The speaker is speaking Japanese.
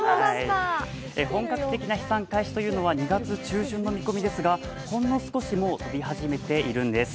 本格的な飛散開始は２月中旬の見込みですがほんの少し、もう飛び始めているんです。